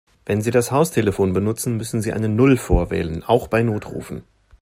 Wenn Sie das Haustelefon benutzen, müssen Sie eine Null vorwählen, auch bei Notrufen.